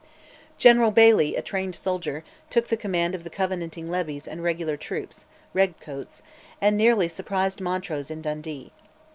General Baillie, a trained soldier, took the command of the Covenanting levies and regular troops ("Red coats"), and nearly surprised Montrose in Dundee.